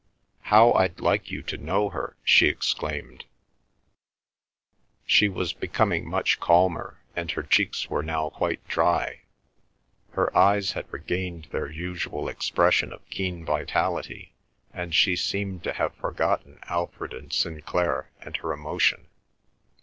"How I'd like you to know her!" she exclaimed. She was becoming much calmer, and her cheeks were now quite dry. Her eyes had regained their usual expression of keen vitality, and she seemed to have forgotten Alfred and Sinclair and her emotion.